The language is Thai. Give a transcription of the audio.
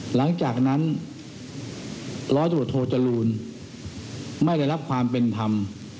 หลังจากนั้นร้อยตรวจโทจรูลไม่ได้รับความเป็นธรรม